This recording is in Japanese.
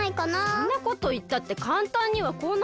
そんなこといったってかんたんにはこないよ。